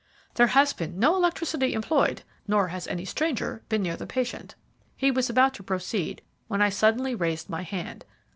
"There has been no electricity employed, nor has any stranger been near the patient." He was about to proceed, when I suddenly raised my hand.